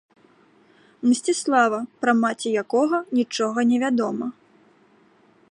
Мсціслава, пра маці якога нічога не вядома.